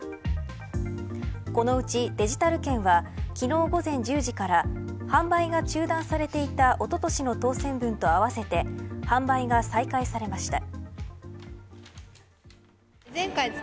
このうちデジタル券は昨日、午前１０時から販売が中断されていたおととしの当選分と合わせて販売が再開されました。